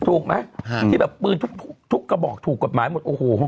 ถูกไหมที่แบบปืนทุกกระบอกถูกกฎหมายหมดโอ้โห